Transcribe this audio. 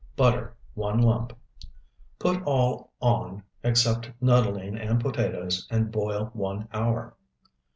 Butter, 1 lump. Put all on, except nuttolene and potatoes, and boil one hour.